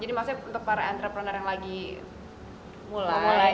jadi maksudnya untuk para entrepreneur yang lagi mulai